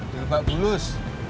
di lepak bulus